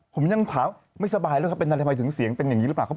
ผมยังถามไม่สบายแล้วครับเป็นอะไรทำไมถึงเสียงเป็นอย่างนี้หรือเปล่า